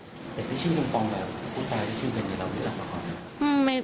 เด็กที่ชื่อปิงปองแล้วคุณตายที่ชื่อเป็นอยู่เรานี่หรือเปล่า